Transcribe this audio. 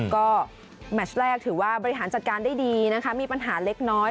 ก็แมชแรกถือว่าบริหารจัดการได้ดีนะคะมีปัญหาเล็กน้อย